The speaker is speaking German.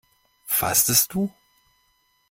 Fastest du?